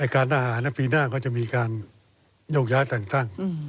การอาหารในปีหน้าก็จะมีการโยงย้ายต่าง